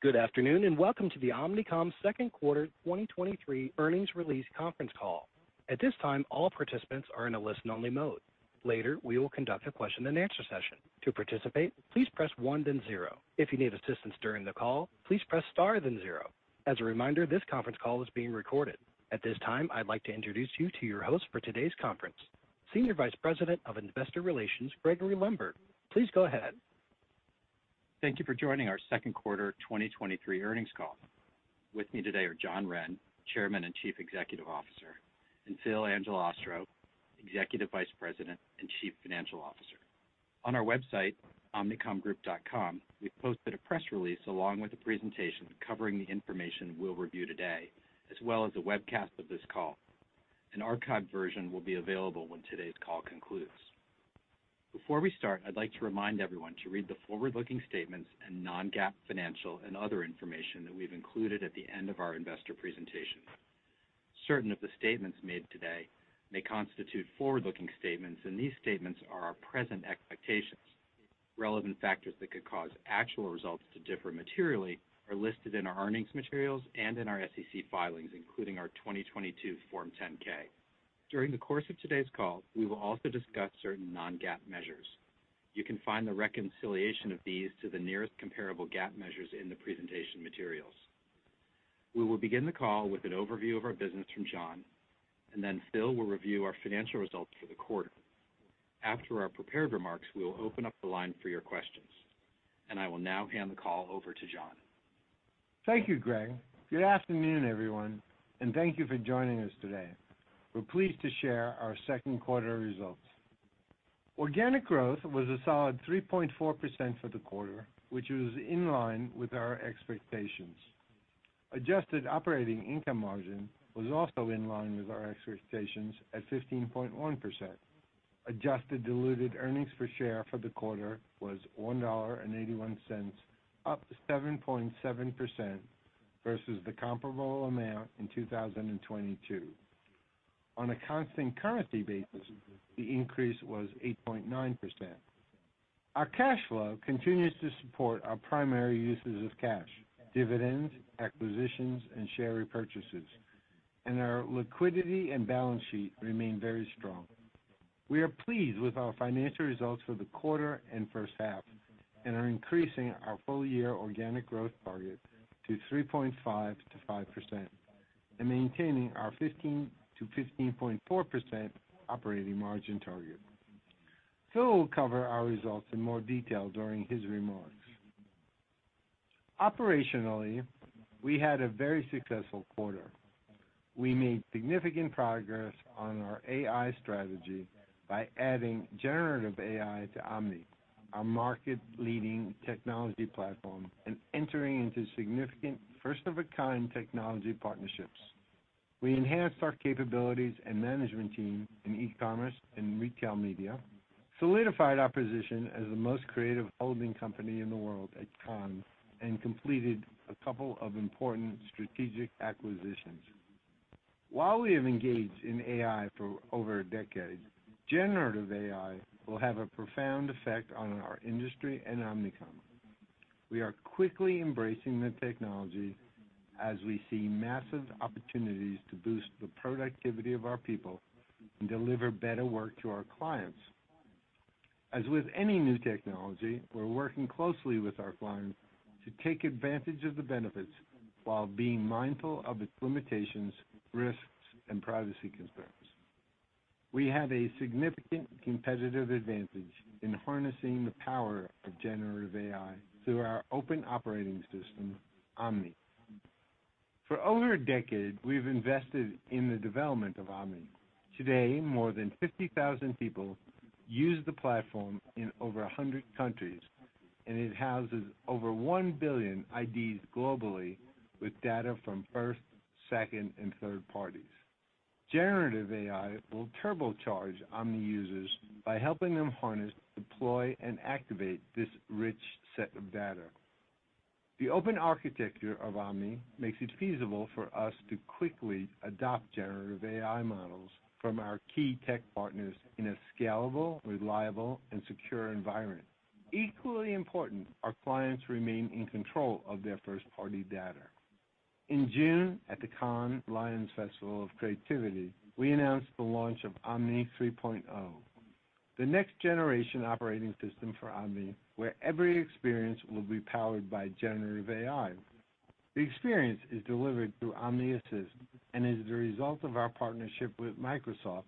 Good afternoon. Welcome to the Omnicom Second Quarter 2023 Earnings Release Conference Call. At this time, all participants are in a listen-only mode. Later, we will conduct a question-and-answer session. To participate, please press one, then zero. If you need assistance during the call, please press star, then zero. As a reminder, this conference call is being recorded. At this time, I'd like to introduce you to your host for today's conference, Senior Vice President of Investor Relations, Gregory Lundberg. Please go ahead. Thank you for joining our second quarter 2023 earnings call. With me today are John Wren, Chairman and Chief Executive Officer, and Phil Angelastro, Executive Vice President and Chief Financial Officer. On our website, omnicomgroup.com, we've posted a press release along with a presentation covering the information we'll review today, as well as a webcast of this call. An archived version will be available when today's call concludes. Before we start, I'd like to remind everyone to read the forward-looking statements and non-GAAP financial and other information that we've included at the end of our investor presentation. Certain of the statements made today may constitute forward-looking statements, and these statements are our present expectations. Relevant factors that could cause actual results to differ materially are listed in our earnings materials and in our SEC filings, including our 2022 Form 10-K. During the course of today's call, we will also discuss certain non-GAAP measures. You can find the reconciliation of these to the nearest comparable GAAP measures in the presentation materials. We will begin the call with an overview of our business from John, and then Phil will review our financial results for the quarter. After our prepared remarks, we will open up the line for your questions, and I will now hand the call over to John. Thank you, Greg. Good afternoon, everyone, thank you for joining us today. We're pleased to share our second quarter results. Organic growth was a solid 3.4% for the quarter, which was in line with our expectations. Adjusted operating income margin was also in line with our expectations at 15.1%. Adjusted diluted earnings per share for the quarter was $1.81, up 7.7% versus the comparable amount in 2022. On a constant currency basis, the increase was 8.9%. Our cash flow continues to support our primary uses of cash, dividends, acquisitions, and share repurchases, our liquidity and balance sheet remain very strong. We are pleased with our financial results for the quarter and first half and are increasing our full-year organic growth target to 3.5%-5% and maintaining our 15%-15.4% operating margin target. Phil will cover our results in more detail during his remarks. Operationally, we had a very successful quarter. We made significant progress on our AI strategy by adding generative AI to Omni, our market-leading technology platform, and entering into significant first-of-a-kind technology partnerships. We enhanced our capabilities and management team in e-commerce and retail media, solidified our position as the most creative holding company in the world at Cannes, and completed a couple of important strategic acquisitions. While we have engaged in AI for over a decade, generative AI will have a profound effect on our industry and Omnicom. We are quickly embracing the technology as we see massive opportunities to boost the productivity of our people and deliver better work to our clients. As with any new technology, we're working closely with our clients to take advantage of the benefits while being mindful of its limitations, risks, and privacy concerns. We have a significant competitive advantage in harnessing the power of Generative AI through our open operating system, Omni. For over a decade, we've invested in the development of Omni. Today, more than 50,000 people use the platform in over 100 countries, and it houses over one billion IDs globally, with data from first, second, and third parties. Generative AI will turbocharge Omni users by helping them harness, deploy, and activate this rich set of data. The open architecture of Omni makes it feasible for us to quickly adopt generative AI models from our key tech partners in a scalable, reliable, and secure environment. Equally important, our clients remain in control of their first-party data. In June, at the Cannes Lions Festival of Creativity, we announced the launch of Omni 3.0, the next-generation operating system for Omni, where every experience will be powered by generative AI. The experience is delivered through Omni Assist and is the result of our partnership with Microsoft,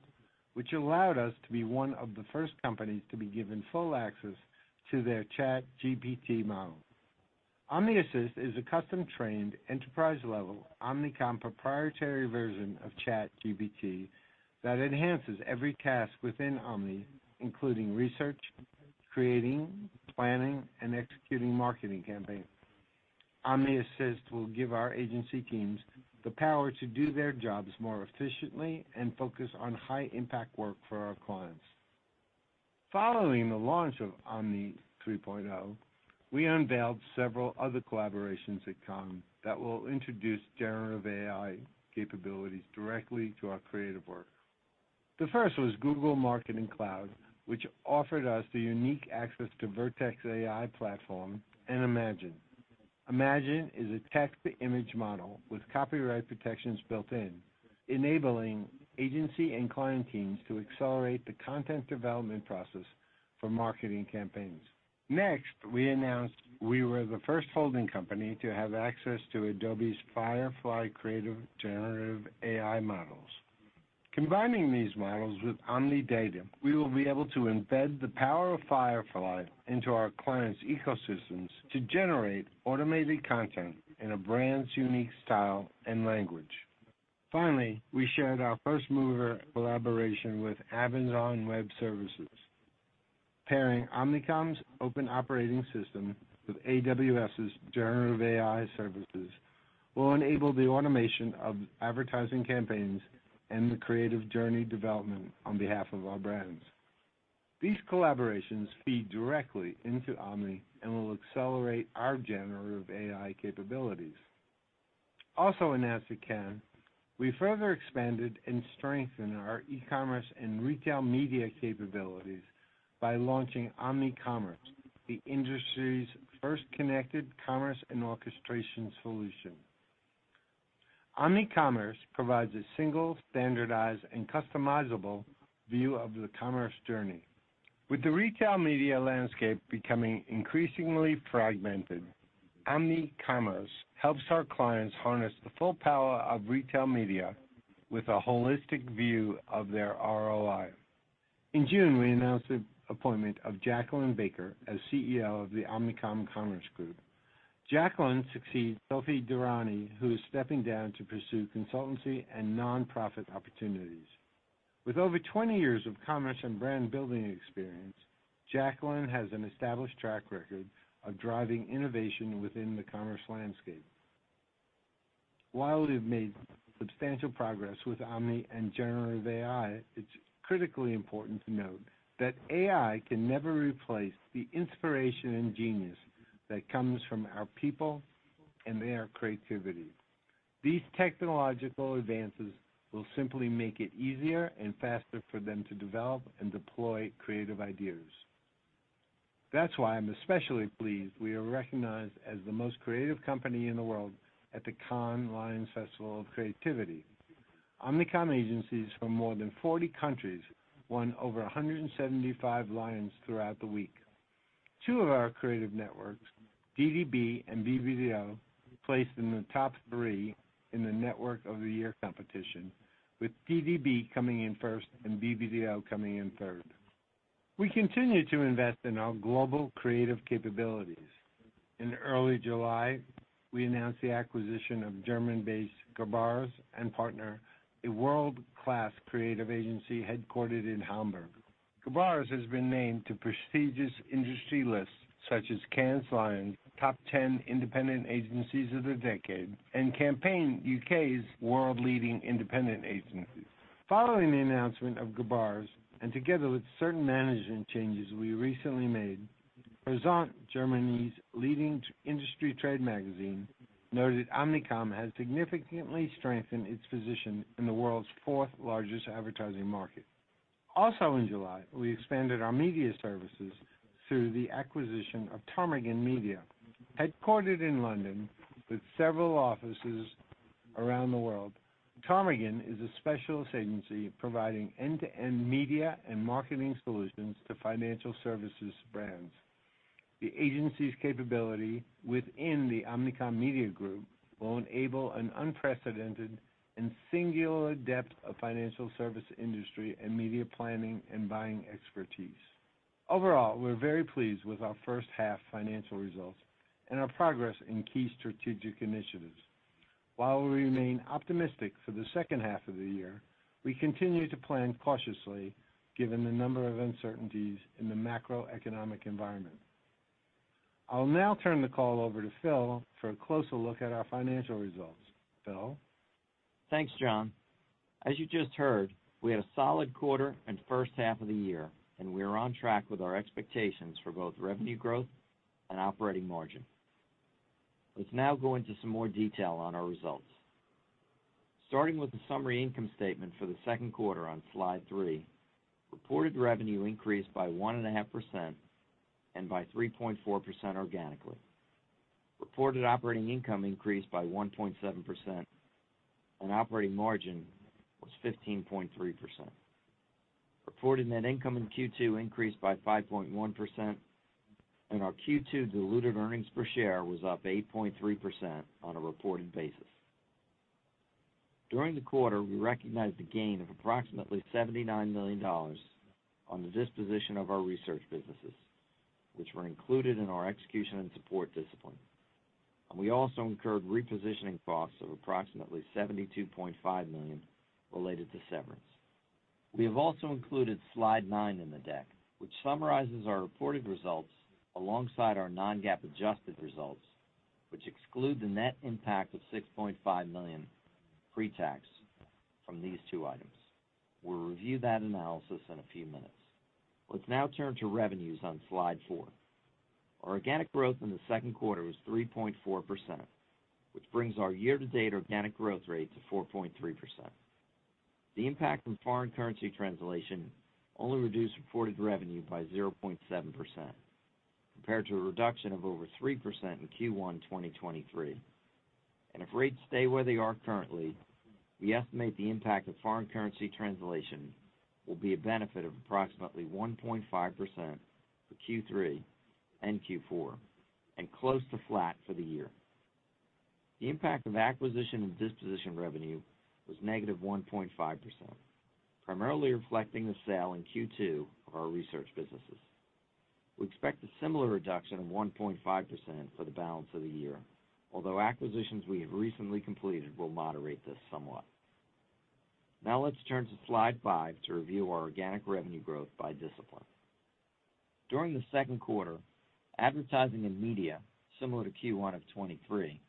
which allowed us to be one of the first companies to be given full access to their ChatGPT model. Omni Assist is a custom-trained, enterprise-level, Omnicom proprietary version of ChatGPT that enhances every task within Omni, including research, creating, planning, and executing marketing campaigns. Omni Assist will give our agency teams the power to do their jobs more efficiently and focus on high-impact work for our clients. Following the launch of Omni 3.0, we unveiled several other collaborations at Cannes that will introduce generative AI capabilities directly to our creative work. The first was Google Marketing Platform, which offered us the unique access to Vertex AI platform and Imagen. Imagen is a text-to-image model with copyright protections built in, enabling agency and client teams to accelerate the content development process for marketing campaigns. Next, we announced we were the first holding company to have access to Adobe's Firefly creative generative AI models. Combining these models with Omni data, we will be able to embed the power of Firefly into our clients' ecosystems to generate automated content in a brand's unique style and language. We shared our first mover collaboration with Amazon Web Services. Pairing Omnicom's open operating system with AWS's generative AI services will enable the automation of advertising campaigns and the creative journey development on behalf of our brands. These collaborations feed directly into Omni and will accelerate our generative AI capabilities. In Cannes, we further expanded and strengthened our e-commerce and retail media capabilities by launching Omnicommerce, the industry's first connected commerce and orchestration solution. Omnicommerce provides a single, standardized, and customizable view of the commerce journey. With the retail media landscape becoming increasingly fragmented, Omnicommerce helps our clients harness the full power of retail media with a holistic view of their ROI. In June, we announced the appointment of Jacquelyn Baker as CEO of the Omnicom Commerce Group. Jacquelyn succeeds Sophia Durrani, who is stepping down to pursue consultancy and nonprofit opportunities. With over 20 years of commerce and brand building experience, Jacquelyn has an established track record of driving innovation within the commerce landscape. While we've made substantial progress with Omni and generative AI, it's critically important to note that AI can never replace the inspiration and genius that comes from our people and their creativity. These technological advances will simply make it easier and faster for them to develop and deploy creative ideas. That's why I'm especially pleased we are recognized as the most creative company in the world at the Cannes Lions Festival of Creativity. Omnicom agencies from more than 40 countries won over 175 Lions throughout the week. Two of our creative networks, DDB and BBDO, placed in the top three in the Network of the Year competition, with DDB coming in first and BBDO coming in third. We continue to invest in our global creative capabilities. In early July, we announced the acquisition of German-based Grabarz & Partner, a world-class creative agency headquartered in Hamburg. Grabarz has been named to prestigious industry lists, such as Cannes Lions, top 10 independent agencies of the decade, and Campaign U.K.'s world-leading independent agencies. Following the announcement of Grabarz, and together with certain management changes we recently made, Present, Germany's leading industry trade magazine, noted Omnicom has significantly strengthened its position in the world's fourth-largest advertising market. In July, we expanded our media services through the acquisition of Ptarmigan Media. Headquartered in London, with several offices around the world, Ptarmigan is a specialist agency providing end-to-end media and marketing solutions to financial services brands. The agency's capability within the Omnicom Media Group will enable an unprecedented and singular depth of financial service, industry, and media planning and buying expertise. Overall, we're very pleased with our first half financial results and our progress in key strategic initiatives. While we remain optimistic for the second half of the year, we continue to plan cautiously, given the number of uncertainties in the macroeconomic environment. I'll now turn the call over to Phil for a closer look at our financial results. Phil? Thanks, John. As you just heard, we had a solid quarter and first half of the year, we are on track with our expectations for both revenue growth and operating margin. Let's now go into some more detail on our results. Starting with the summary income statement for the second quarter on Slide three, reported revenue increased by 1.5% and by 3.4% organically. Reported operating income increased by 1.7%, and operating margin was 15.3%. Reported net income in Q2 increased by 5.1%, and our Q2 diluted earnings per share was up 8.3% on a reported basis. During the quarter, we recognized a gain of approximately $79 million on the disposition of our research businesses, which were included in our execution and support discipline. We also incurred repositioning costs of approximately $72.5 million related to severance. We have also included Slide nine in the deck, which summarizes our reported results alongside our non-GAAP adjusted results, which exclude the net impact of $6.5 million pre-tax from these two items. We'll review that analysis in a few minutes. Let's now turn to revenues on Slide four. Our organic growth in the second quarter was 3.4%, which brings our year-to-date organic growth rate to 4.3%. The impact from foreign currency translation only reduced reported revenue by 0.7% compared to a reduction of over 3% in Q1 2023. If rates stay where they are currently, we estimate the impact of foreign currency translation will be a benefit of approximately 1.5% for Q3 and Q4, and close to flat for the year. The impact of acquisition and disposition revenue was -1.5%, primarily reflecting the sale in Q2 of our research businesses. We expect a similar reduction of 1.5% for the balance of the year, although acquisitions we have recently completed will moderate this somewhat. Let's turn to Slide five to review our organic revenue growth by discipline. During the second quarter, advertising and media, similar to Q1 of 2023,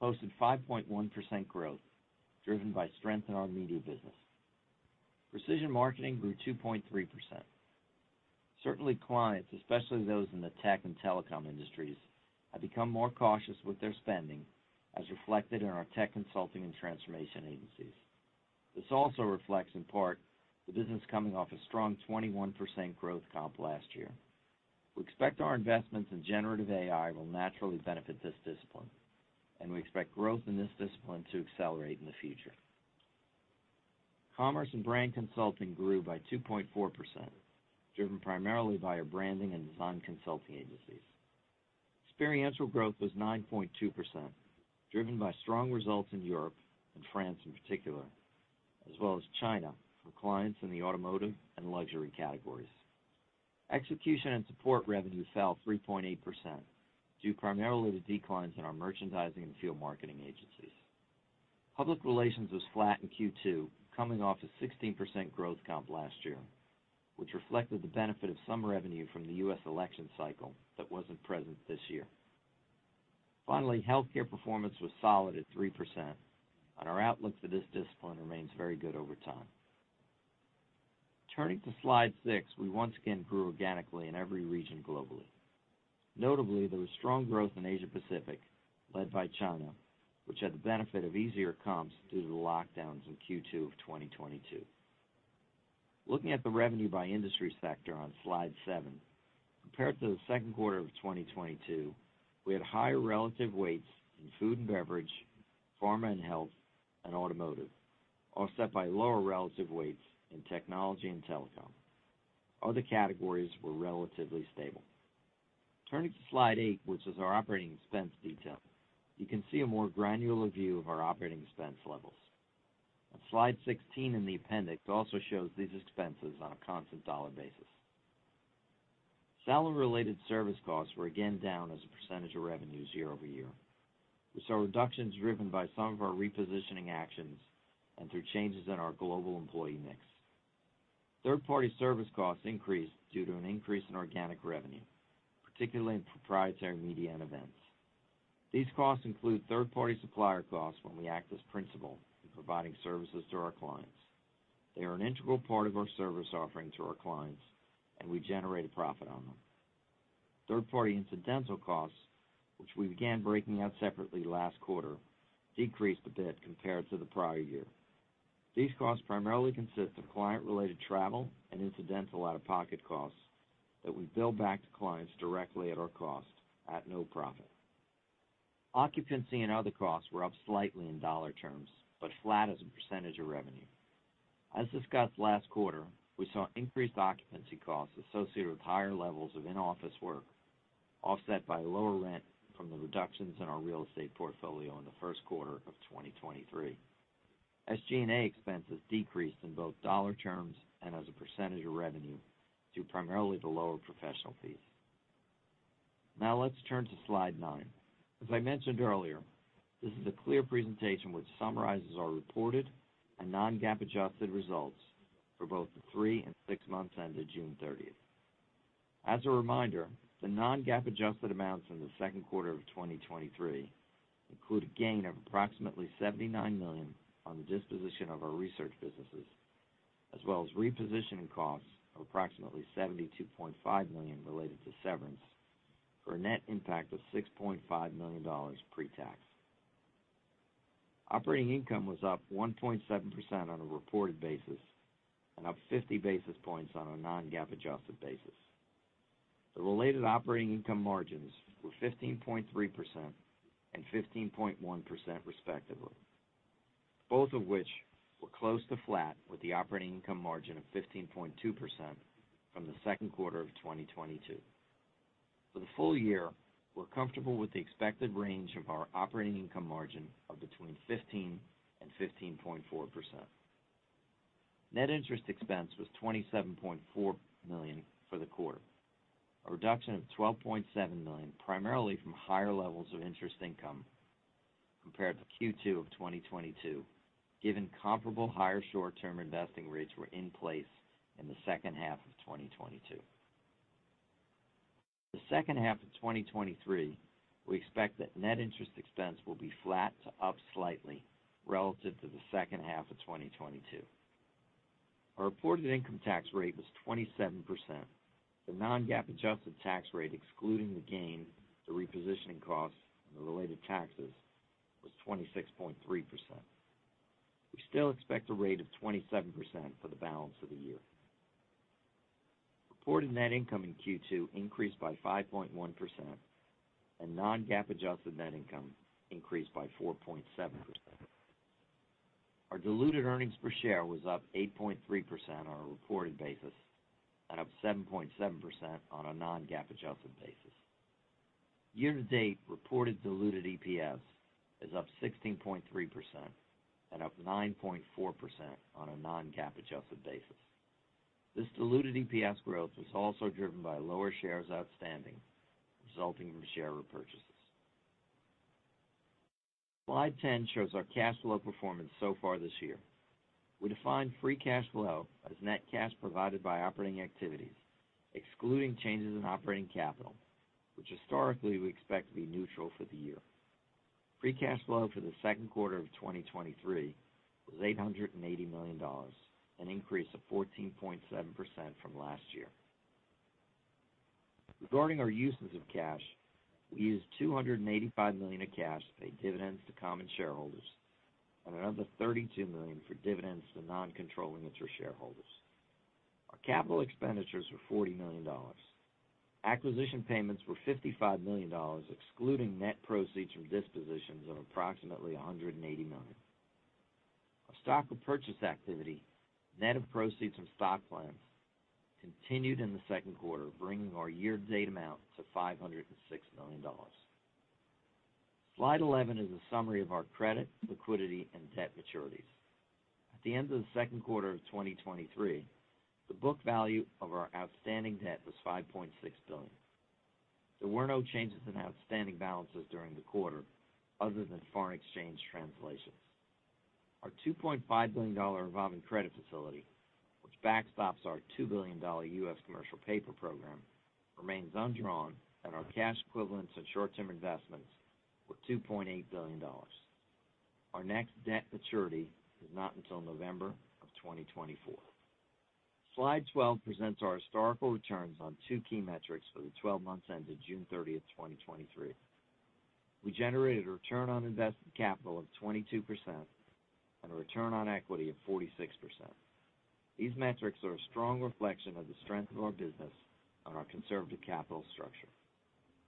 posted 5.1% growth, driven by strength in our media business. Precision marketing grew 2.3%. Certainly, clients, especially those in the tech and telecom industries, have become more cautious with their spending, as reflected in our tech consulting and transformation agencies. This also reflects, in part, the business coming off a strong 21% growth comp last year. We expect our investments in generative AI will naturally benefit this discipline, and we expect growth in this discipline to accelerate in the future. Commerce and brand consulting grew by 2.4%, driven primarily by our branding and design consulting agencies. Experiential growth was 9.2%, driven by strong results in Europe and France in particular, as well as China, for clients in the automotive and luxury categories. Execution and support revenue fell 3.8%, due primarily to declines in our merchandising and field marketing agencies. Public relations was flat in Q2, coming off a 16% growth comp last year, which reflected the benefit of some revenue from the U.S. election cycle that wasn't present this year. Healthcare performance was solid at 3%, and our outlook for this discipline remains very good over time. Turning to Slide six, we once again grew organically in every region globally. Notably, there was strong growth in Asia Pacific, led by China, which had the benefit of easier comps due to the lockdowns in Q2 of 2022. Looking at the revenue by industry sector on Slide seven, compared to the second quarter of 2022, we had higher relative weights in food and beverage, pharma and health, and automotive, offset by lower relative weights in technology and telecom. Other categories were relatively stable. Turning to Slide eight, which is our operating expense detail, you can see a more granular view of our operating expense levels. On Slide 16 in the appendix also shows these expenses on a constant dollar basis. Salary-related service costs were again down as a percentage of revenues year-over-year. We saw reductions driven by some of our repositioning actions and through changes in our global employee mix. Third-party service costs increased due to an increase in organic revenue, particularly in proprietary media and events. These costs include third-party supplier costs when we act as principal in providing services to our clients. They are an integral part of our service offering to our clients. We generate a profit on them. Third-party incidental costs, which we began breaking out separately last quarter, decreased a bit compared to the prior year. These costs primarily consist of client-related travel and incidental out-of-pocket costs that we bill back to clients directly at our cost, at no profit. Occupancy and other costs were up slightly in dollar terms, but flat as a percentage of revenue. As discussed last quarter, we saw increased occupancy costs associated with higher levels of in-office work, offset by lower rent from the reductions in our real estate portfolio in the first quarter of 2023. SG&A expenses decreased in both dollar terms and as a percentage of revenue, due primarily to lower professional fees. Now let's turn to Slide nine. As I mentioned earlier, this is a clear presentation which summarizes our reported and non-GAAP adjusted results for both the three and six months ended June 30th. As a reminder, the non-GAAP adjusted amounts in the second quarter of 2023 include a gain of approximately $79 million on the disposition of our research businesses, as well as repositioning costs of approximately $72.5 million related to severance, for a net impact of $6.5 million pre-tax. Operating income was up 1.7% on a reported basis and up 50 basis points on a non-GAAP adjusted basis. The related operating income margins were 15.3% and 15.1%, respectively, both of which were close to flat, with the operating income margin of 15.2% from the second quarter of 2022. For the full year, we're comfortable with the expected range of our operating income margin of between 15% and 15.4%. Net interest expense was $27.4 million for the quarter, a reduction of $12.7 million, primarily from higher levels of interest income compared to Q2 of 2022, given comparable higher short-term investing rates were in place in the second half of 2022. The second half of 2023, we expect that net interest expense will be flat to up slightly relative to the second half of 2022. Our reported income tax rate was 27%. The non-GAAP adjusted tax rate, excluding the gain, the repositioning costs, and the related taxes, was 26.3%. We still expect a rate of 27% for the balance of the year. Reported net income in Q2 increased by 5.1%, and non-GAAP adjusted net income increased by 4.7%. Our diluted earnings per share was up 8.3% on a reported basis and up 7.7% on a non-GAAP adjusted basis. Year-to-date reported diluted EPS is up 16.3% and up 9.4% on a non-GAAP adjusted basis. This diluted EPS growth was also driven by lower shares outstanding, resulting from share repurchases. Slide 10 shows our cash flow performance so far this year. We define free cash flow as net cash provided by operating activities, excluding changes in operating capital, which historically we expect to be neutral for the year. Free cash flow for the second quarter of 2023 was $880 million, an increase of 14.7% from last year. Regarding our uses of cash, we used $285 million of cash to pay dividends to common shareholders and another $32 million for dividends to non-controlling interest shareholders. Our capital expenditures were $40 million. Acquisition payments were $55 million, excluding net proceeds from dispositions of approximately $189. Our stock repurchase activity, net of proceeds from stock plans, continued in the second quarter, bringing our year-to-date amount to $506 million. Slide 11 is a summary of our credit, liquidity, and debt maturities. At the end of the second quarter of 2023, the book value of our outstanding debt was $5.6 billion. There were no changes in outstanding balances during the quarter other than foreign exchange translations. Our $2.5 billion revolving credit facility, which backstops our $2 billion U.S. commercial paper program, remains undrawn. Our cash equivalents and short-term investments were $2.8 billion. Our next debt maturity is not until November of 2024. Slide 12 presents our historical returns on two key metrics for the 12 months ended June 30th, 2023. We generated a return on invested capital of 22% and a return on equity of 46%. These metrics are a strong reflection of the strength of our business and our conservative capital structure.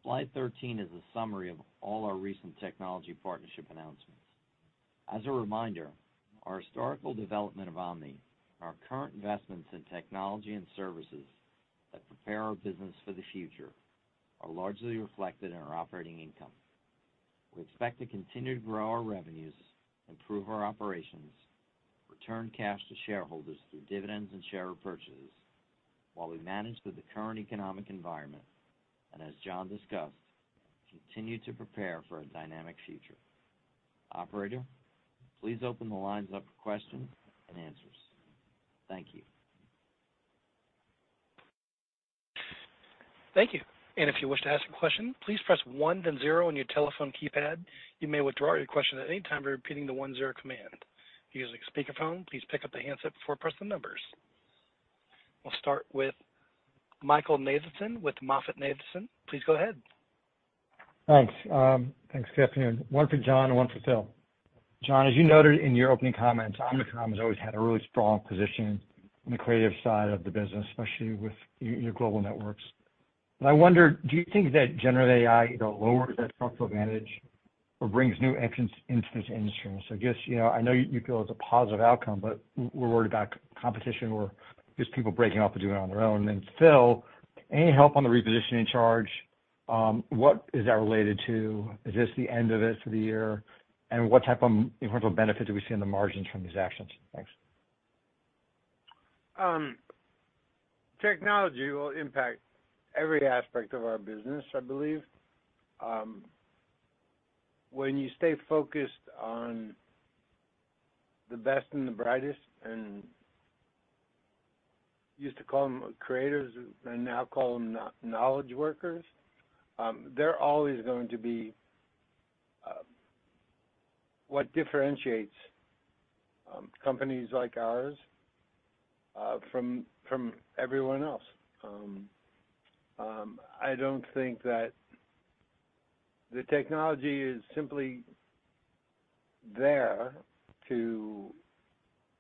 Slide 13 is a summary of all our recent technology partnership announcements. As a reminder, our historical development of Omni and our current investments in technology and services that prepare our business for the future are largely reflected in our operating income. We expect to continue to grow our revenues, improve our operations, return cash to shareholders through dividends and share repurchases, while we manage through the current economic environment, and as John discussed, continue to prepare for a dynamic future. Operator, please open the lines up for questions and answers. Thank you. Thank you. If you wish to ask a question, please press one, then zero on your telephone keypad. You may withdraw your question at any time by repeating the one-zero command. If you're using a speakerphone, please pick up the handset before pressing the numbers. We'll start with Michael Nathanson with MoffettNathanson. Please go ahead. Thanks. Thanks. Good afternoon. One for John and one for Phil. John, as you noted in your opening comments, Omnicom has always had a really strong position on the creative side of the business, especially with your global networks. I wonder, do you think that generative AI either lowers that structural advantage or brings new entrants into this industry? I guess, you know, I know you feel it's a positive outcome, but we're worried about competition or just people breaking off and doing it on their own. Phil, any help on the repositioning charge? What is that related to? Is this the end of it for the year? What type of incremental benefit do we see in the margins from these actions? Thanks. Technology will impact every aspect of our business, I believe. When you stay focused on the best and the brightest, and used to call them creators, and now call them knowledge workers, they're always going to be what differentiates companies like ours from everyone else. I don't think that the technology is simply there to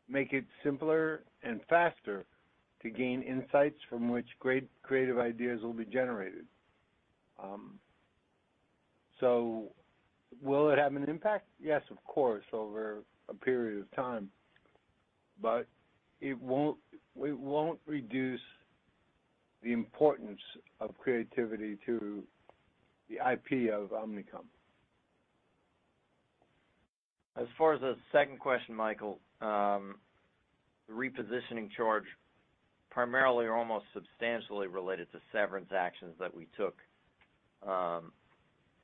make it simpler and faster to gain insights from which great creative ideas will be generated. Will it have an impact? Yes, of course, over a period of time, but it won't reduce the importance of creativity to the IP of Omnicom. As far as the second question, Michael, the repositioning charge primarily are almost substantially related to severance actions that we took,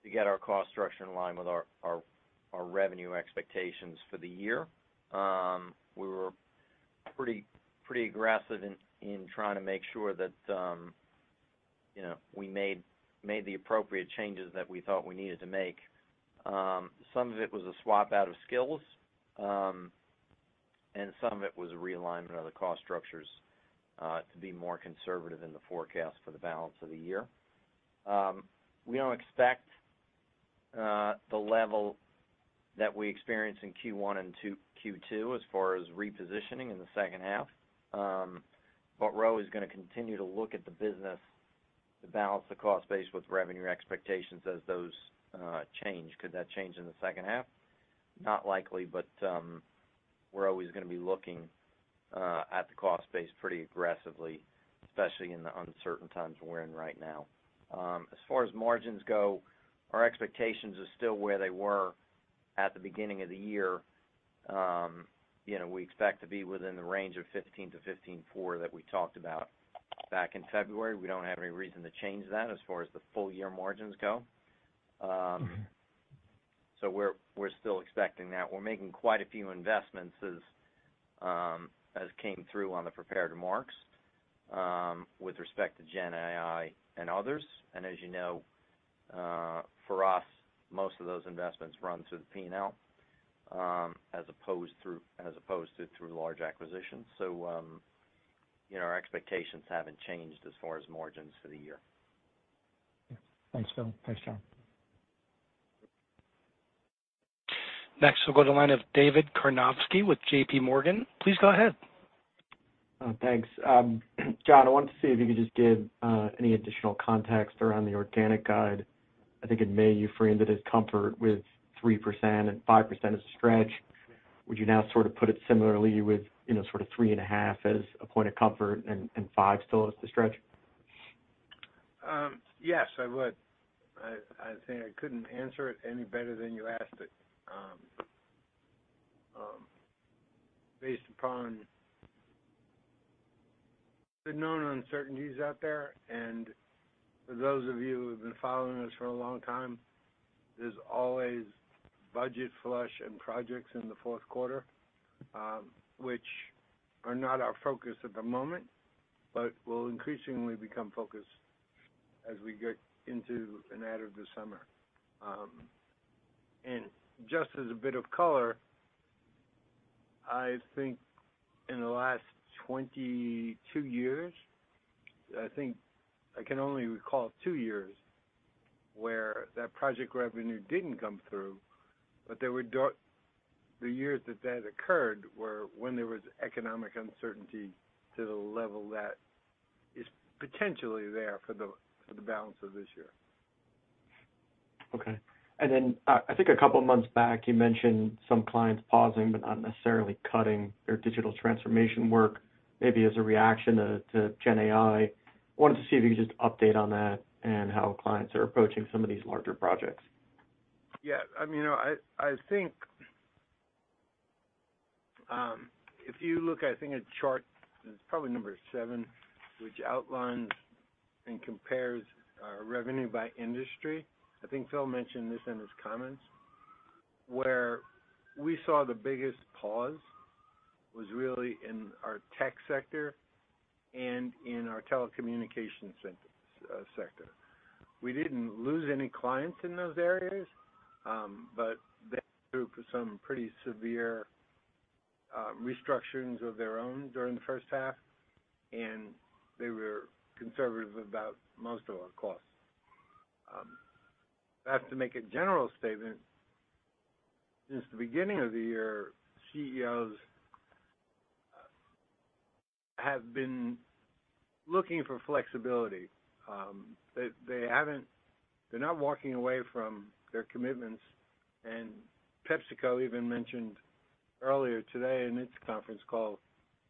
to get our cost structure in line with our revenue expectations for the year. We were pretty aggressive in trying to make sure.... You know, we made the appropriate changes that we thought we needed to make. Some of it was a swap out of skills, and some of it was a realignment of the cost structures to be more conservative in the forecast for the balance of the year. We don't expect the level that we experienced in Q1 and Q2 as far as repositioning in the second half. Rowe is gonna continue to look at the business, to balance the cost base with revenue expectations as those change. Could that change in the second half? Not likely, but we're always gonna be looking at the cost base pretty aggressively, especially in the uncertain times we're in right now. As far as margins go, our expectations are still where they were at the beginning of the year. You know, we expect to be within the range of 15%-15.4% that we talked about back in February. We don't have any reason to change that as far as the full year margins go. We're still expecting that. We're making quite a few investments as came through on the prepared remarks, with respect to GenAI and others. As you know, for us, most of those investments run through the P&L, as opposed to through large acquisitions. You know, our expectations haven't changed as far as margins for the year. Thanks, Phil. Thanks, John. Next, we'll go to the line of David Karnovsky with JPMorgan. Please go ahead. Thanks. John, I wanted to see if you could just give any additional context around the organic guide. I think in May, you framed it as comfort with 3% and 5% as a stretch. Would you now sort of put it similarly with, you know, sort of 3.5% as a point of comfort and 5% still as the stretch? Yes, I would. I think I couldn't answer it any better than you asked it. Based upon the known uncertainties out there, for those of you who've been following us for a long time, there's always budget flush and projects in the fourth quarter, which are not our focus at the moment, but will increasingly become focused as we get into and out of the summer. Just as a bit of color, I think in the last 22 years, I think I can only recall two years where that project revenue didn't come through, the years that that occurred were when there was economic uncertainty to the level that is potentially there for the balance of this year. Okay. I think a couple of months back, you mentioned some clients pausing, but not necessarily cutting their digital transformation work, maybe as a reaction to GenAI. Wanted to see if you could just update on that and how clients are approaching some of these larger projects. I mean, I think if you look at chart number seven, which outlines and compares our revenue by industry. I think Phil mentioned this in his comments. Where we saw the biggest pause was really in our tech sector and in our telecommunications sector. We didn't lose any clients in those areas, but they went through some pretty severe restructurings of their own during the first half, and they were conservative about most of our costs. I have to make a general statement. Since the beginning of the year, CEOs have been looking for flexibility. They're not walking away from their commitments, and PepsiCo even mentioned earlier today in its conference call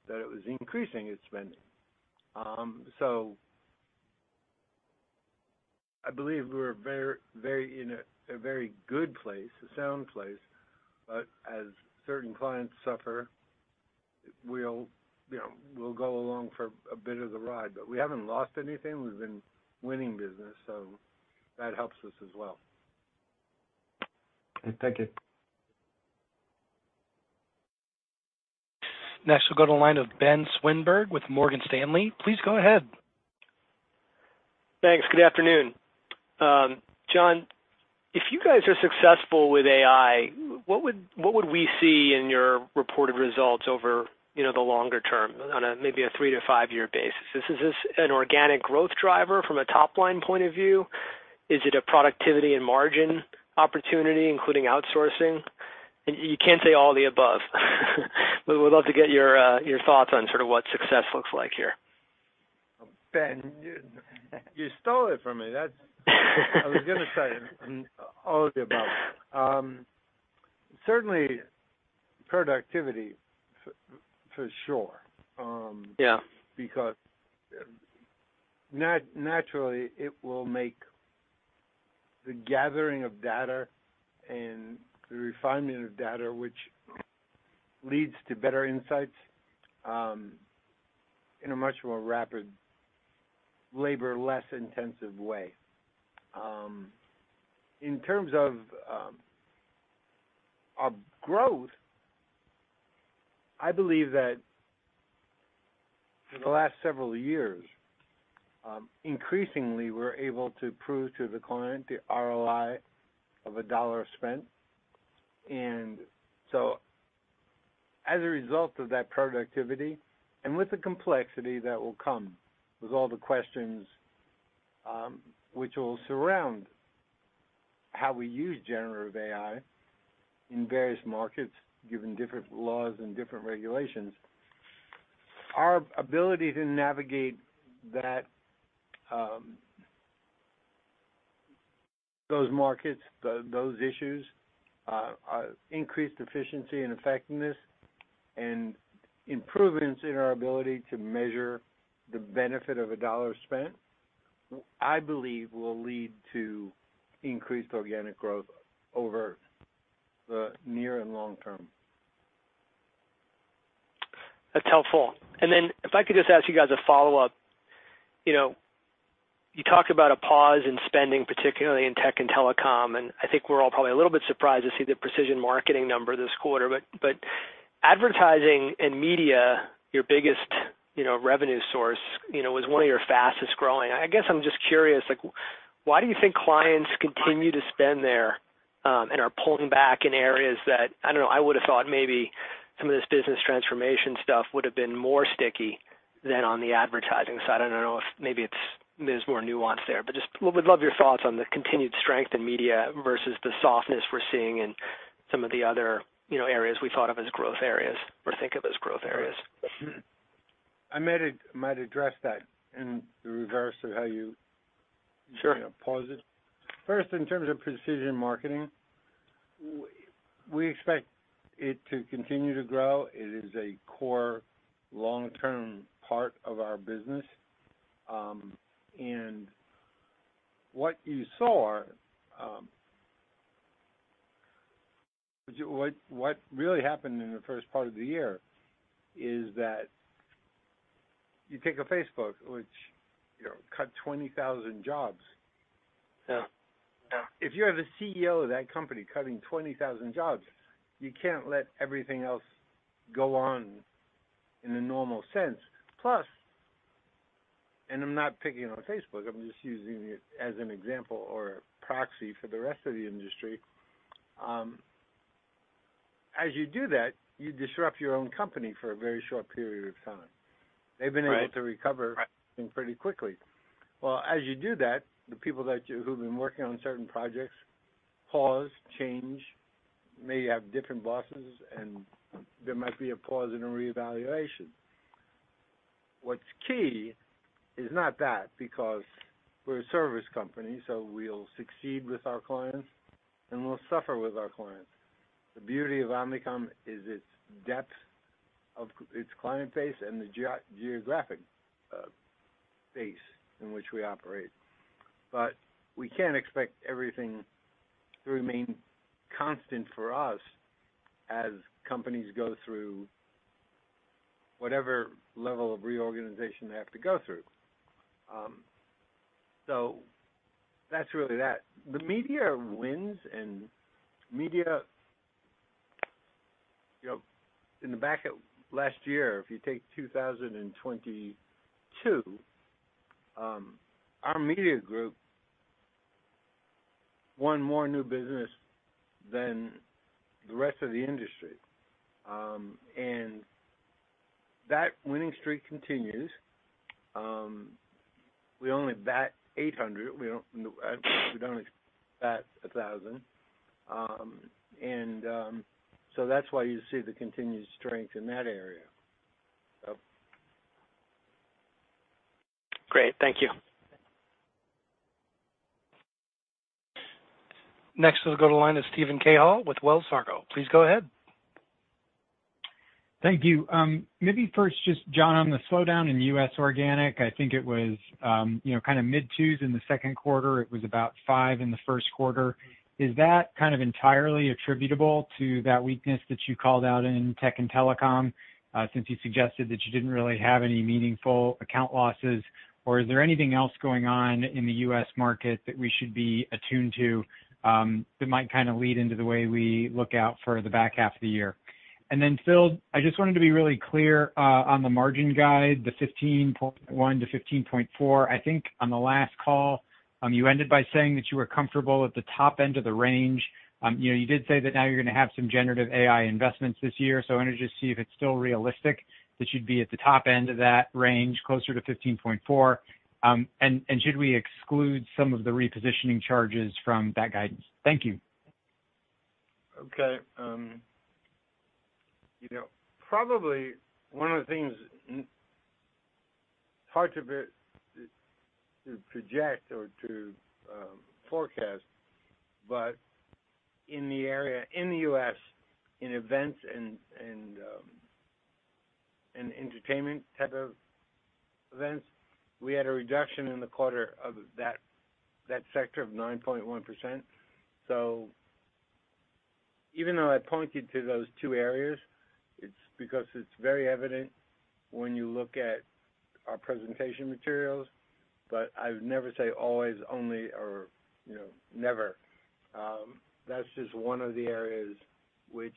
that it was increasing its spending. I believe we're very in a very good place, a sound place, but as certain clients suffer, you know, we'll go along for a bit of the ride. We haven't lost anything. We've been winning business, so that helps us as well. Thank you. Next, we'll go to the line of Ben Swinburne with Morgan Stanley. Please go ahead. Thanks. Good afternoon. John, if you guys are successful with AI, what would we see in your reported results over, you know, the longer term, on a maybe a three to five-year basis? Is this an organic growth driver from a top-line point of view? Is it a productivity and margin opportunity, including outsourcing? You can't say all the above, but we'd love to get your thoughts on sort of what success looks like here. Ben, you stole it from me. I was gonna say all the above. Certainly productivity for sure. Yeah. Naturally, it will make the gathering of data and the refinement of data, which leads to better insights, in a much more rapid, labor, less intensive way. In terms of growth- I believe that in the last several years, increasingly, we're able to prove to the client the ROI of a $1 spent. As a result of that productivity, and with the complexity that will come, with all the questions, which will surround how we use generative AI in various markets, given different laws and different regulations. Our ability to navigate that, those markets, those issues, increased efficiency and effectiveness and improvements in our ability to measure the benefit of a $1 spent, I believe will lead to increased organic growth over the near and long term. That's helpful. If I could just ask you guys a follow-up. You know, you talked about a pause in spending, particularly in tech and telecom, and I think we're all probably a little bit surprised to see the precision marketing number this quarter. Advertising and media, your biggest, you know, revenue source, you know, was one of your fastest-growing. I guess I'm just curious, like, why do you think clients continue to spend there and are pulling back in areas that. I don't know, I would have thought maybe some of this business transformation stuff would have been more sticky than on the advertising side. I don't know if maybe there's more nuance there, but just would love your thoughts on the continued strength in media versus the softness we're seeing in some of the other, you know, areas we thought of as growth areas or think of as growth areas. I might address that in the reverse of how. Sure. You know, pause it. First, in terms of precision marketing, we expect it to continue to grow. It is a core long-term part of our business. What you saw, what really happened in the first part of the year is that you take a Facebook, which, you know, cut 20,000 jobs. Yeah. If you have a CEO of that company cutting 20,000 jobs, you can't let everything else go on in a normal sense. I'm not picking on Facebook, I'm just using it as an example or a proxy for the rest of the industry. As you do that, you disrupt your own company for a very short period of time. Right. They've been able to recover pretty quickly. As you do that, the people that who've been working on certain projects pause, change, may have different bosses, and there might be a pause and a reevaluation. What's key is not that, because we're a service company, so we'll succeed with our clients, and we'll suffer with our clients. The beauty of Omnicom is its depth of its client base and the geo-geographic base in which we operate. We can't expect everything to remain constant for us as companies go through whatever level of reorganization they have to go through. That's really that. The media wins, media, you know, in the back of last year, if you take 2022, our Omnicom Media Group won more new business than the rest of the industry. That winning streak continues. We only bat 800. We don't, we don't bat 1,000. That's why you see the continued strength in that area. Great. Thank you. Next, we'll go to the line of Steven Cahall with Wells Fargo. Please go ahead. Thank you. Maybe first, just John Wren, on the slowdown in U.S. organic, I think it was, you know, kind of mid-2s% in the second quarter. It was about 5% in the first quarter. Is that kind of entirely attributable to that weakness that you called out in tech and telecom, since you suggested that you didn't really have any meaningful account losses? Or is there anything else going on in the U.S. market that we should be attuned to, that might kind of lead into the way we look out for the back half of the year? Phil Angelastro, I just wanted to be really clear on the margin guide, the 15.1%-15.4%. I think on the last call, you ended by saying that you were comfortable at the top end of the range. You know, you did say that now you're going to have some Generative AI investments this year, so I wanted to just see if it's still realistic, that you'd be at the top end of that range, closer to 15.4. Should we exclude some of the repositioning charges from that guidance? Thank you. You know, probably one of the things hard to project or to forecast, in the area in the U.S., in events and entertainment type of events, we had a reduction in the quarter of that sector of 9.1%. Even though I pointed to those two areas, it's because it's very evident when you look at our presentation materials, I would never say always, only, or, you know, never. That's just one of the areas which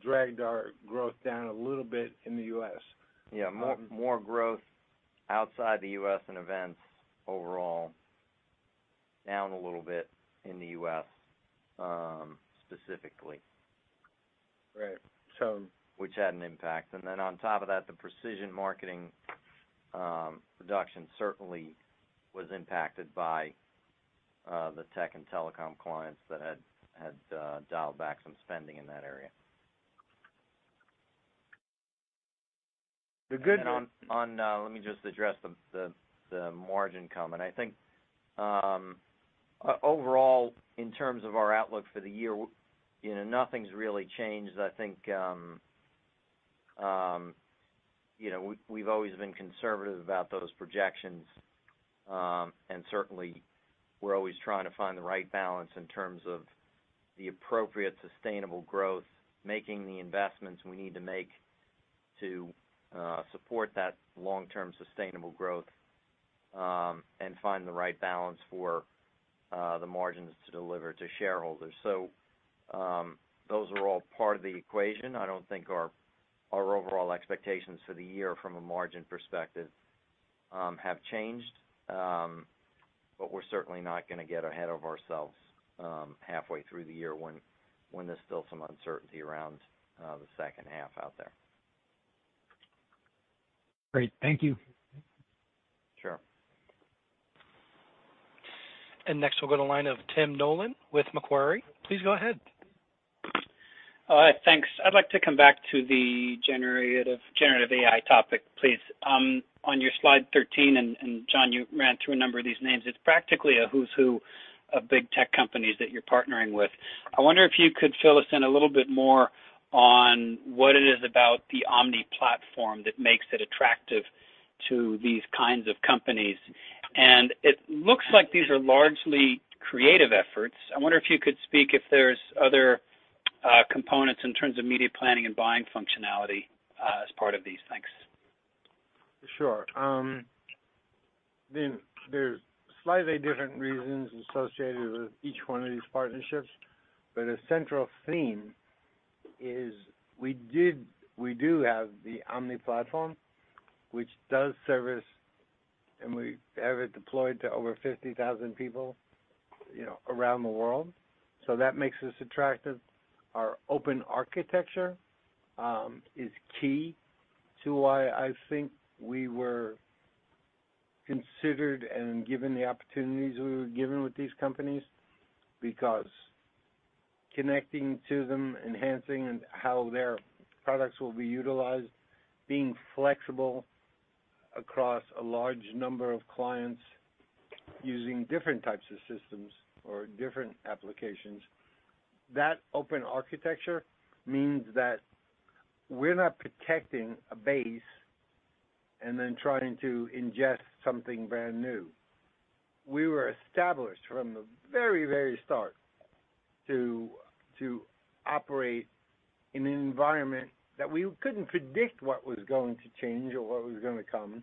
dragged our growth down a little bit in the U.S. Yeah, more growth outside the U.S. in events overall, down a little bit in the U.S., specifically. Right. Which had an impact. On top of that, the precision marketing reduction certainly was impacted by the tech and telecom clients that had dialed back some spending in that area. The good- On, let me just address the margin comment. I think, overall, in terms of our outlook for the year, you know, nothing's really changed. I think, you know, we've always been conservative about those projections. Certainly, we're always trying to find the right balance in terms of the appropriate sustainable growth, making the investments we need to make to support that long-term sustainable growth, and find the right balance for the margins to deliver to shareholders. Those are all part of the equation. I don't think our overall expectations for the year from a margin perspective have changed. We're certainly not gonna get ahead of ourselves halfway through the year when there's still some uncertainty around the second half out there. Great. Thank you. Sure. Next, we'll go to line of Tim Nollen with Macquarie. Please go ahead. Thanks. I'd like to come back to the generative AI topic, please. On your Slide 13, and John, you ran through a number of these names, it's practically a who's who of big tech companies that you're partnering with. I wonder if you could fill us in a little bit more on what it is about the Omni platform that makes it attractive to these kinds of companies. It looks like these are largely creative efforts. I wonder if you could speak, if there's other components in terms of media planning and buying functionality, as part of these. Thanks. Sure. There's slightly different reasons associated with each one of these partnerships, but a central theme is we do have the Omni platform, which does service, and we have it deployed to over 50,000 people, you know, around the world. That makes us attractive. Our open architecture is key to why I think we were considered and given the opportunities we were given with these companies, because connecting to them, enhancing how their products will be utilized, being flexible across a large number of clients using different types of systems or different applications, that open architecture means that we're not protecting a base and then trying to ingest something brand new. We were established from the very, very start to operate in an environment that we couldn't predict what was going to change or what was going to come,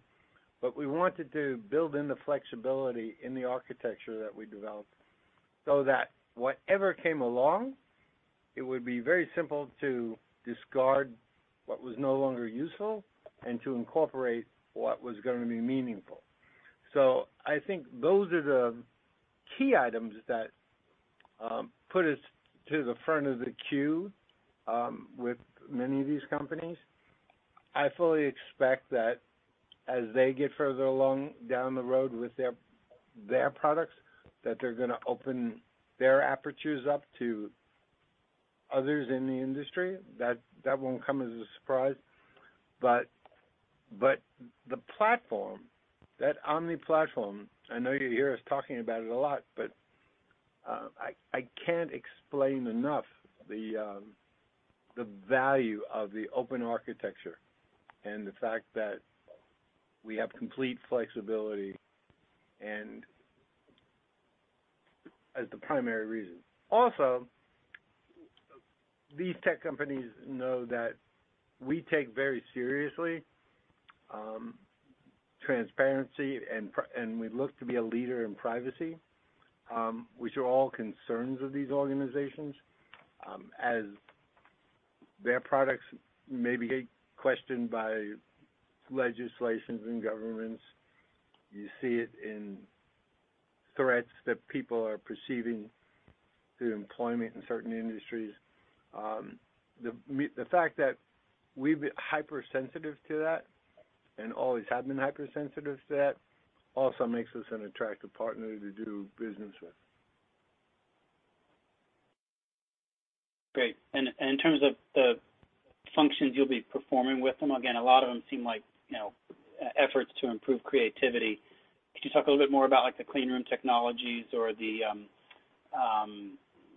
but we wanted to build in the flexibility in the architecture that we developed so that whatever came along, it would be very simple to discard what was no longer useful and to incorporate what was gonna be meaningful. I think those are the key items that put us to the front of the queue with many of these companies. I fully expect that as they get further along down the road with their products, that they're gonna open their apertures up to others in the industry. That won't come as a surprise. The platform, that Omni platform, I know you hear us talking about it a lot, but I can't explain enough the value of the open architecture and the fact that we have complete flexibility and as the primary reason. These tech companies know that we take very seriously transparency, and we look to be a leader in privacy, which are all concerns of these organizations, as their products may be questioned by legislations and governments. You see it in threats that people are perceiving to employment in certain industries. The fact that we've been hypersensitive to that and always have been hypersensitive to that, also makes us an attractive partner to do business with. Great. In terms of the functions you'll be performing with them, again, a lot of them seem like, you know, efforts to improve creativity. Could you talk a little bit more about, like, the clean room technologies or the,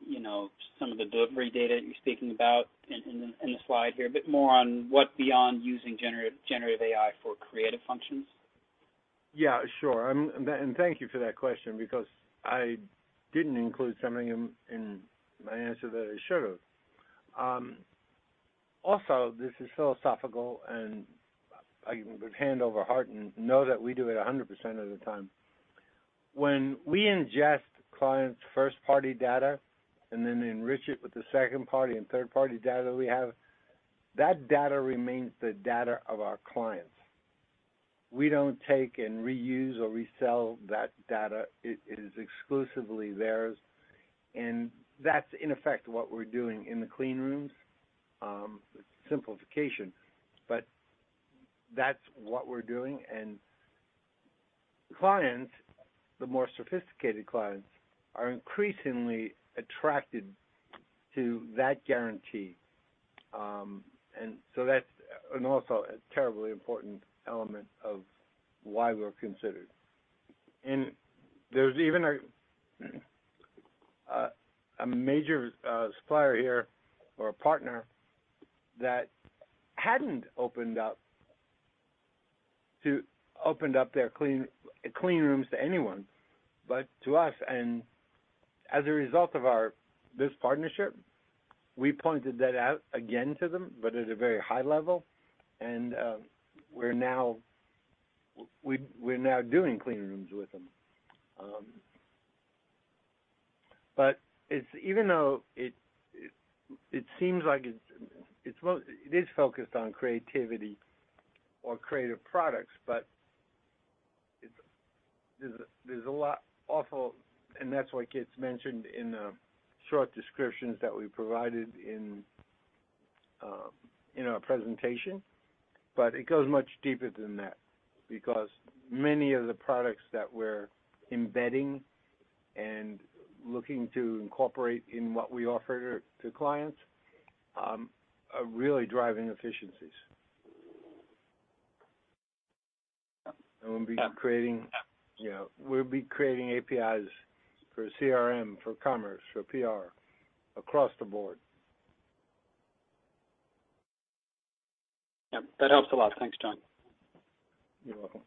you know, some of the delivery data you're speaking about in the slide here? A bit more on what beyond using generative AI for creative functions? Yeah, sure. Thank you for that question because I didn't include something in my answer that I should have. Also, this is philosophical, and I can put hand over heart and know that we do it 100% of the time. When we ingest clients' first-party data and then enrich it with the second-party and third-party data we have, that data remains the data of our clients. We don't take and reuse or resell that data. It is exclusively theirs, and that's in effect, what we're doing in the clean rooms. Simplification, but that's what we're doing. Clients, the more sophisticated clients, are increasingly attracted to that guarantee. That's, and also a terribly important element of why we're considered. There's even a major supplier here, or a partner, that hadn't opened up their clean rooms to anyone, but to us. As a result of this partnership, we pointed that out again to them, but at a very high level. We're now doing clean rooms with them. It's even though it seems like it is focused on creativity or creative products, there's a lot also. That's why it gets mentioned in the short descriptions that we provided in our presentation. It goes much deeper than that because many of the products that we're embedding and looking to incorporate in what we offer to clients are really driving efficiencies. We'll be creating, you know, APIs for CRM, for commerce, for PR, across the board. Yep, that helps a lot. Thanks, John. You're welcome.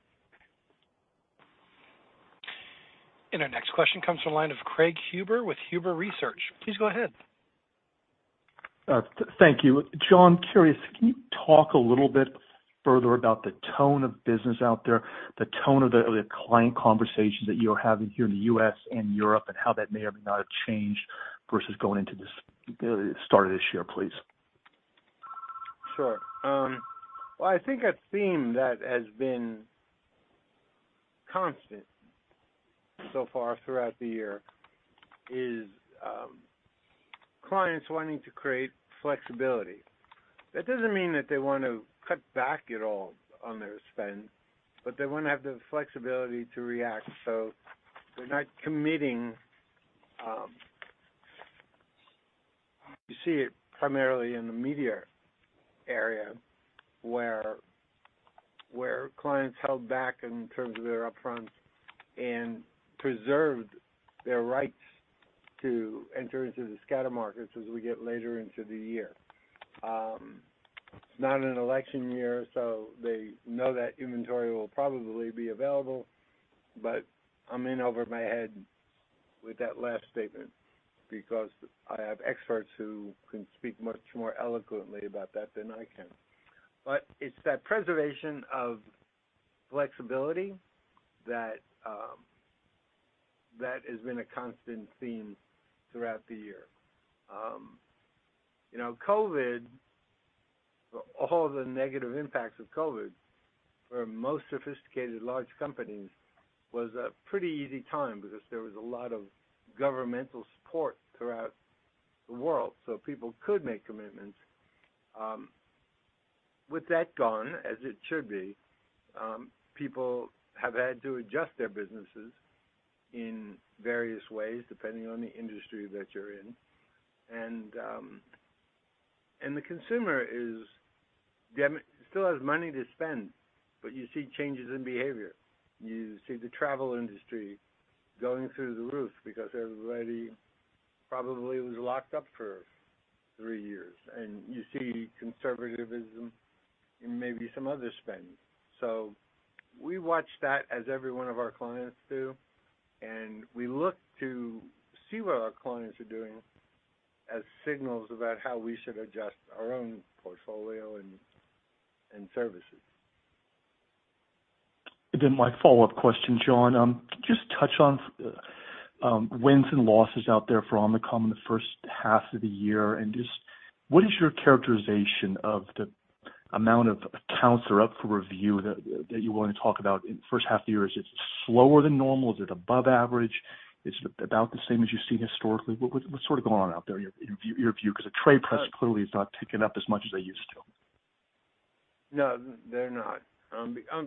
Our next question comes from the line of Craig Huber with Huber Research. Please go ahead. Thank you. John, curious, can you talk a little bit further about the tone of business out there, the tone of the client conversations that you're having here in the U.S. and Europe, and how that may or may not have changed versus going into this, the start of this year, please? Sure. Well, I think a theme that has been constant so far throughout the year is clients wanting to create flexibility. That doesn't mean that they want to cut back at all on their spend, but they want to have the flexibility to react, so they're not committing. You see it primarily in the media area, where clients held back in terms of their upfront and preserved their rights to enter into the scatter markets as we get later into the year. It's not an election year, so they know that inventory will probably be available, but I'm in over my head with that last statement because I have experts who can speak much more eloquently about that than I can. It's that preservation of flexibility that has been a constant theme throughout the year. you know, COVID, for all the negative impacts of COVID, for most sophisticated large companies, was a pretty easy time because there was a lot of governmental support throughout the world, so people could make commitments. With that gone, as it should be, people have had to adjust their businesses in various ways, depending on the industry that you're in. The consumer still has money to spend, but you see changes in behavior. You see the travel industry going through the roof because everybody probably was locked up for three years, and you see conservativism in maybe some other spend. We watch that as every one of our clients do, and we look to see what our clients are doing as signals about how we should adjust our own portfolio and services. My follow-up question, John. Could you just touch on wins and losses out there for Omnicom in the first half of the year? Just what is your characterization of the amount of accounts that you're willing to talk about in the first half of the year? Is it slower than normal? Is it above average? Is it about the same as you've seen historically? What's sort of going on out there, in your view? The trade press clearly is not picking up as much as they used to. No, they're not.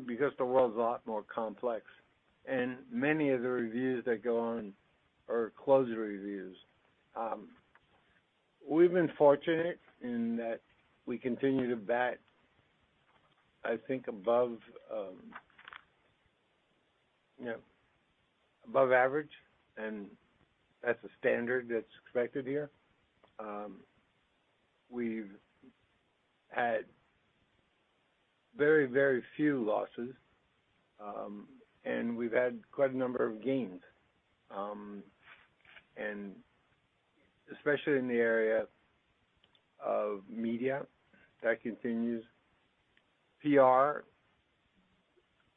Because the world's a lot more complex, and many of the reviews that go on are closure reviews. We've been fortunate in that we continue to bat, I think, above, you know, above average, and that's a standard that's expected here. We've had very, very few losses. We've had quite a number of gains. Especially in the area of media, that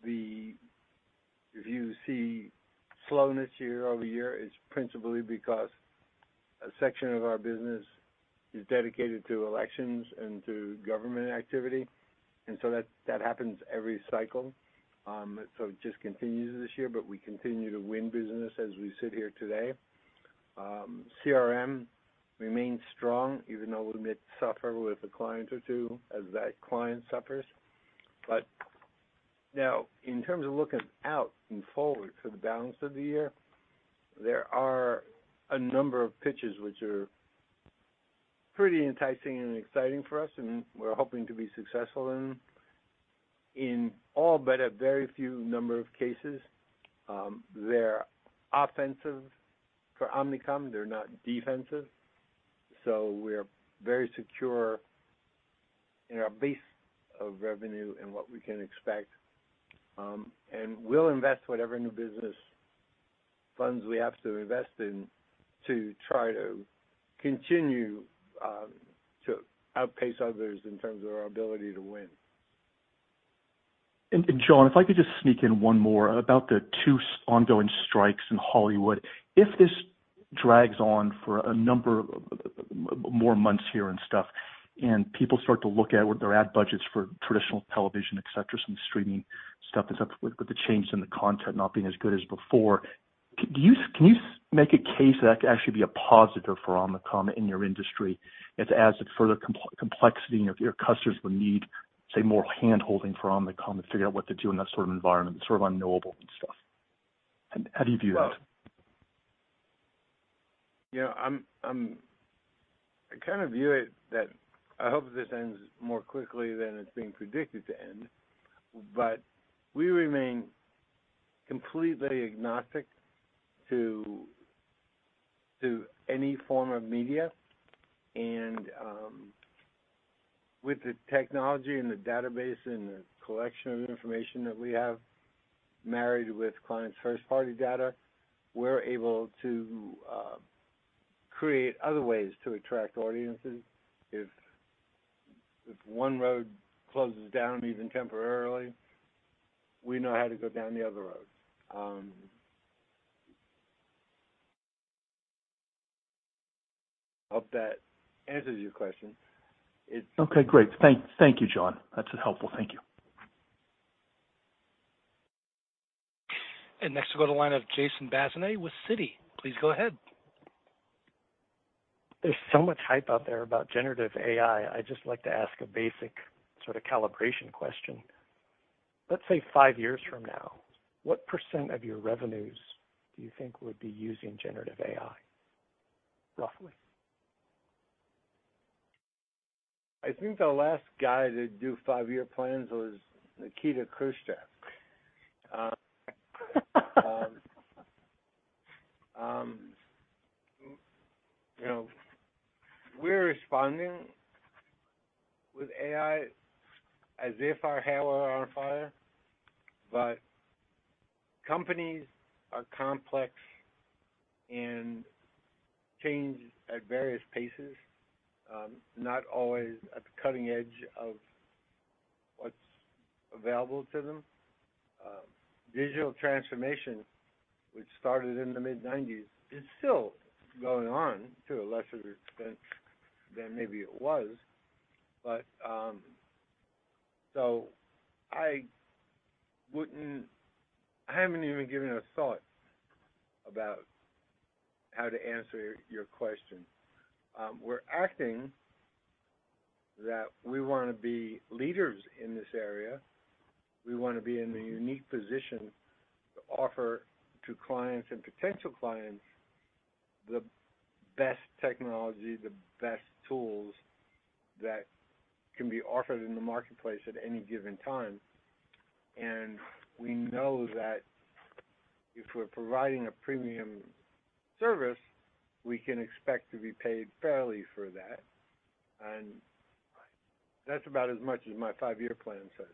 continues. PR, if you see slowness year-over-year, it's principally because a section of our business is dedicated to elections and to government activity. That, that happens every cycle. It just continues this year, but we continue to win business as we sit here today. CRM remains strong, even though we may suffer with a client or two as that client suffers. Now, in terms of looking out and forward for the balance of the year, there are a number of pitches which are pretty enticing and exciting for us, and we're hoping to be successful in them. In all, but a very few number of cases, they're offensive for Omnicom. They're not defensive. We're very secure in our base of revenue and what we can expect. And we'll invest whatever new business funds we have to invest in to try to continue to outpace others in terms of our ability to win. John, if I could just sneak in one more about the two ongoing strikes in Hollywood. If this drags on for a number of more months here and stuff, and people start to look at their ad budgets for traditional television, et cetera, some streaming stuff, with the change in the content not being as good as before, can you make a case that could actually be a positive for Omnicom in your industry? It adds further complexity, and your customers would need, say, more handholding for Omnicom to figure out what to do in that sort of environment, sort of unknowable and stuff. How do you view that? You know, I'm, I kind of view it that I hope this ends more quickly than it's being predicted to end. We remain completely agnostic to any form of media and, with the technology and the database and the collection of information that we have, married with clients' first-party data, we're able to create other ways to attract audiences. If one road closes down, even temporarily, we know how to go down the other road. I hope that answers your question. Okay, great. Thank you, John. That's helpful. Thank you. Next, we go to the line of Jason Bazinet with Citi. Please go ahead. There's so much hype out there about generative AI. I'd just like to ask a basic sort of calibration question. Let's say, five years from now, what % of your revenues do you think would be using generative AI, roughly? I think the last guy to do five-year plans was Nikita Khrushchev. You know, we're responding with AI as if our hair were on fire. Companies are complex and change at various paces, not always at the cutting edge of what's available to them. Digital transformation, which started in the mid-nineties, is still going on to a lesser extent than maybe it was. I wouldn't. I haven't even given a thought about how to answer your question. We're acting that we wanna be leaders in this area. We want to be in the unique position to offer to clients and potential clients, the best technology, the best tools that can be offered in the marketplace at any given time. We know that if we're providing a premium service, we can expect to be paid fairly for that. That's about as much as my five-year plan says.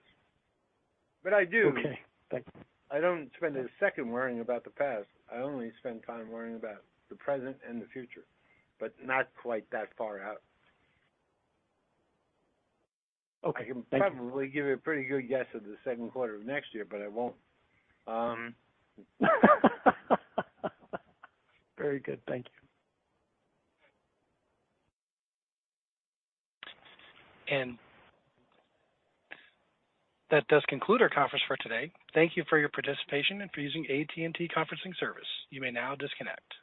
Okay, thank you. I don't spend a second worrying about the past. I only spend time worrying about the present and the future, not quite that far out. Okay, thank you. I can probably give you a pretty good guess of the second quarter of next year, but I won't. Very good. Thank you. That does conclude our conference for today. Thank you for your participation and for using AT&T Conferencing Service. You may now disconnect.